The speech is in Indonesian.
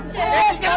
sini kena datang abu